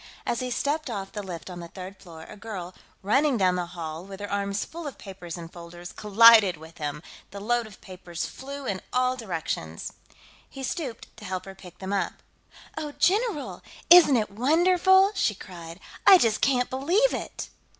As he stepped off the lift on the third floor, a girl, running down the hall with her arms full of papers in folders, collided with him; the load of papers flew in all directions. He stooped to help her pick them up. "Oh, general! Isn't it wonderful?" she cried. "I just can't believe it!"